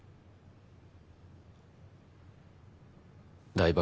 台場